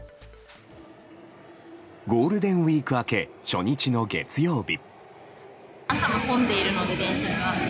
ゴールデンウィーク明け初日の月曜日。